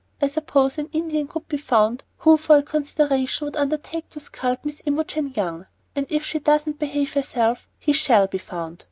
I suppose an Indian could be found who for a consideration would undertake to scalp Miss Imogen Young, and if she doesn't behave herself he shall be found.